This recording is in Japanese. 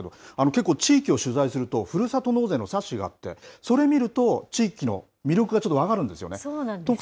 結構地域を取材すると、ふるさと納税の冊子があって、それ見ると、地域の魅力がちょっと分かるんでそうなんですよね。